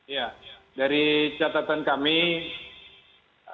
ya dari catatan kami dari kejadian kejadian lanina sebelumnya ya